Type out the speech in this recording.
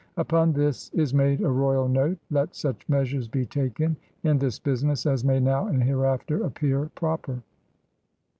Upon this is made a Royal note: *^Let such measures be taken in this business as may now and hereafter appear proper."